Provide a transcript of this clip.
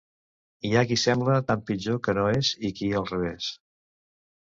Hi ha qui sembla tant pitjor que no és, i qui al revés!